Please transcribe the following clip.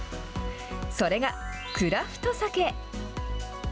それが、クラフトサケ。